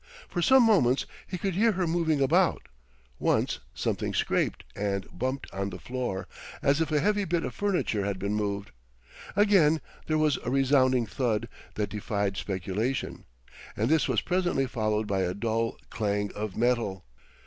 For some moments he could hear her moving about; once, something scraped and bumped on the floor, as if a heavy bit of furniture had been moved; again there was a resounding thud that defied speculation; and this was presently followed by a dull clang of metal.